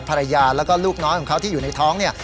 ภรรยาแล้วก็ลูกน้อยของเขาที่อยู่ในท้องเนี่ย